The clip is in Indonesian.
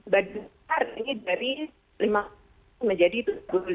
bagi sekarang ini dari lima menjadi tujuh puluh persen